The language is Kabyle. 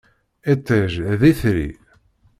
Iṭij, d itri.